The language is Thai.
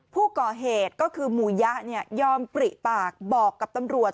ผู้ก่อเหตุก็คือหมู่ยะยอมปริปากบอกกับตำรวจ